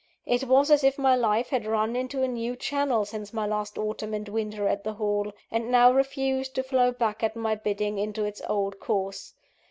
It was as if my life had run into a new channel since my last autumn and winter at the Hall, and now refused to flow back at my bidding into its old course.